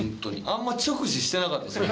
あんまり直視してなかったですよ